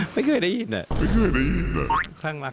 ไม่เคยได้ยินเลย